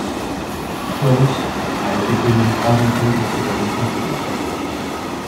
Scholz a été connu avant tout pour ses ballets symphoniques.